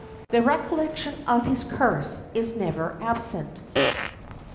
The recollection of his curse is never absent.